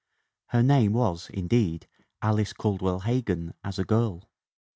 Her name was, in deed, Alice Caldwell Hegan as a girl.